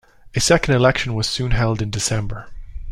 A second election was soon held in December.